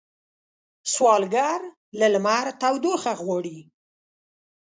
سوالګر له لمر تودوخه غواړي